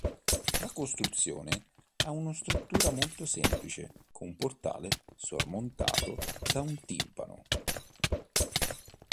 La costruzione ha una struttura molto semplice con un portale sormontato da un timpano.